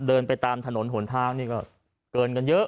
เดินไปตามถนนหนทางนี่ก็เกินกันเยอะ